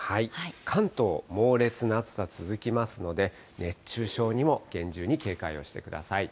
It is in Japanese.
関東、猛烈な暑さ、続きますので、熱中症にも厳重に警戒をしてください。